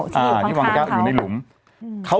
ที่วางแก้วที่อยู่ข้างเขา